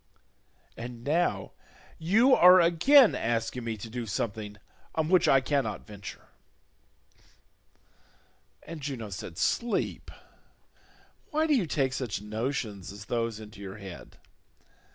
And now you are again asking me to do something on which I cannot venture." And Juno said, "Sleep, why do you take such notions as those into your head?